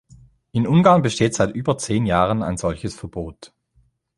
In Ungarn besteht seit über zehn Jahren ein solches Verbot.